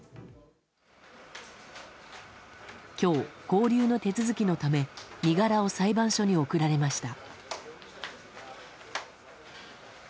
今日、勾留の手続きのため身柄を裁判所に送られました。